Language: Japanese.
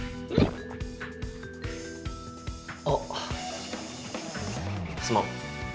あっすまん。